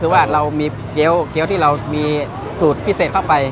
คือว่าเรามีเกี้ยวที่เรามีสูตรพิเศษเข้าไป